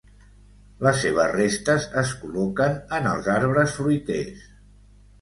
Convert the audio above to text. Les seves restes es col·loquen en els arbres fruiters.